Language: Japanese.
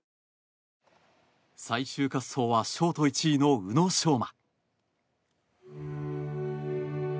最終滑走はショート１位の宇野昌磨。